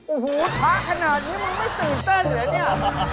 โอ้โหช้าขนาดนี้มึงไม่ตื่นเต้นเหรอเนี่ย